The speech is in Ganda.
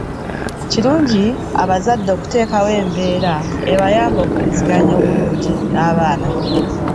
Kirungi abazadde okuteekawo embeera ebayamba okuwuliziganya obulungi n'abaana